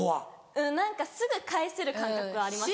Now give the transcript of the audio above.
うんすぐ返せる感覚あります。